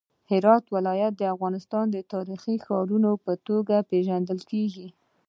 هرات ولایت د افغانستان د تاریخي ښارونو په توګه پیژندل کیږي.